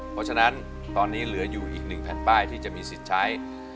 เพราะฉะนั้นตอนนี้เหลืออยู่อีก๑แผ่นป้ายที่จะมีสิทธิ์ใช้